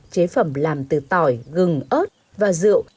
chế phẩm làm từ tỏi gừng ớt và rượu